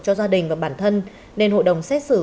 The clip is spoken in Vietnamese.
cho gia đình và bản thân nên hội đồng xét xử